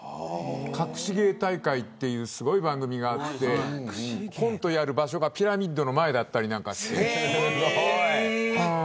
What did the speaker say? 隠し芸大会っていうすごい番組があってコントやる場所がピラミッドの前だったりして。